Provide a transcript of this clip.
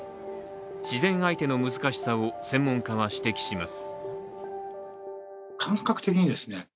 自然相手の難しさを専門家は指摘します。